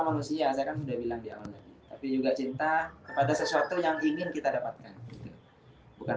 manusia saya kan sudah bilang di alam tapi juga cinta kepada sesuatu yang ingin kita dapatkan bukan